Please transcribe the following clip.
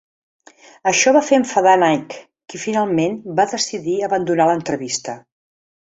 Això va fer enfadar Knight, qui finalment va decidir abandonar l'entrevista.